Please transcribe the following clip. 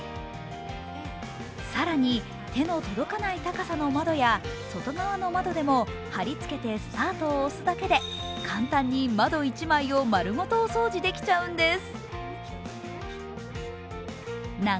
更に手の届かない高さの窓や外側の窓でも貼り付けてスタートを押すだけで簡単に窓１枚を丸ごとお掃除できちゃうんです。